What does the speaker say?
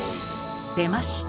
出ました。